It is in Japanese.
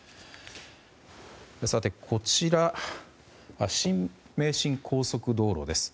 さて、こちら新名神高速道路です。